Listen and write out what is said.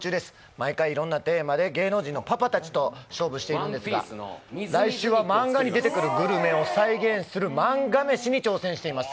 毎回いろんなテーマで芸能人のパパたちと勝負しているんですが、来週はマンガに出てくるグルメを再現するマンガ飯に挑戦しています。